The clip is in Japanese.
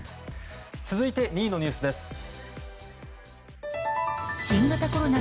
続いて２位のニュースです。